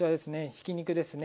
ひき肉ですね。